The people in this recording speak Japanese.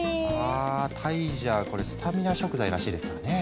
あタイじゃこれスタミナ食材らしいですからね。